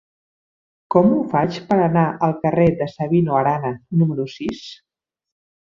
Com ho faig per anar al carrer de Sabino Arana número sis?